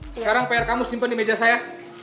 sekarang pr kamu simpan di meja saya